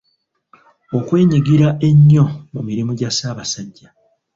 Okwenyigira ennyo mu mirimu gya Ssabasajja.